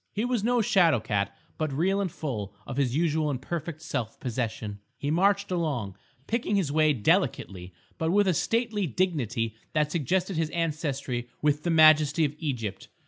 He was no shadow cat, but real and full of his usual and perfect self possession. He marched along, picking his way delicately, but with a stately dignity that suggested his ancestry with the majesty of Egypt.